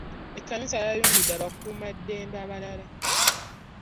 Ekkanisa yayungudde abakuuma ddembe abalala.